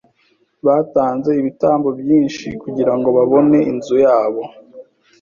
Batanze ibitambo byinshi kugirango babone inzu yabo.